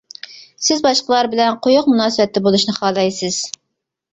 سىز باشقىلار بىلەن قويۇق مۇناسىۋەتتە بولۇشنى خالايسىز.